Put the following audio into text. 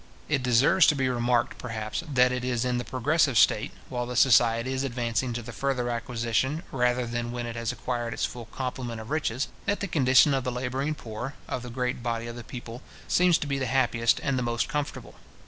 It deserves to be remarked, perhaps, that it is in the progressive state, while the society is advancing to the further acquisition, rather than when it has acquired its full complement of riches, that the condition of the labouring poor, of the great body of the people, seems to be the happiest and the most comfortable.